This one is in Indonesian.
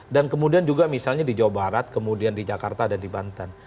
dan kemudian juga misalnya di jawa barat kemudian di jakarta dan di banten